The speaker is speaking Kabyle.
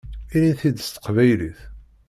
Ini-t-id s teqbaylit!